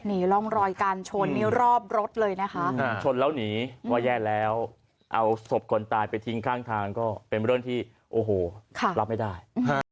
ก็เลยขับรถเอาศพคนตายอยู่ท้ายกระบาดตกใจครับไม่กล้าไปเจอศพคนตายอยู่ท้ายกระบาดตกใจครับไม่มีอะไรเกิดขึ้น